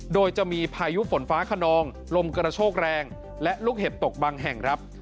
โดยจะมีพายุฝนฟ้าขนองลมกระโชกแรงและลูกเห็บตกบางแห่งครับ